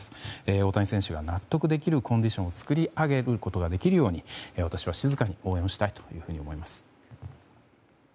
大谷選手が納得できるコンディションを作り上げることができるように私は静かに応援をしたいと思います。